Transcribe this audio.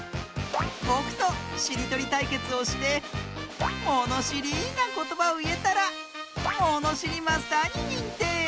ぼくとしりとりたいけつをしてものしりなことばをいえたらものしりマスターににんてい！